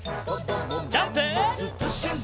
ジャンプ！